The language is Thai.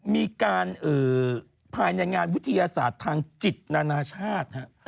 มีการภายในงานวิทยาศาสตร์ทางจิตนานาชาติ